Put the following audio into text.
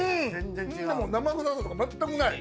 生臭さとかまったくない。